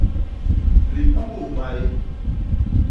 Lipubus mbay.